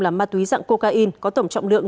là ma túy dạng cocaine có tổng trọng lượng